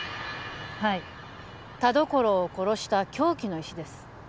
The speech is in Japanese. はい田所を殺した凶器の石です